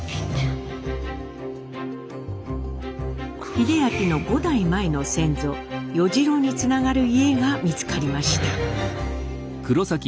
英明の５代前の先祖与次郎につながる家が見つかりました。